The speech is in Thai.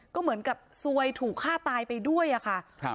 ก็เหมือนกับซวยถูกฆ่าตายไปด้วยอะค่ะครับ